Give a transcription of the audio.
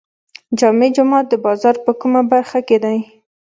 جامع جومات د بازار په کومه برخه کې دی؟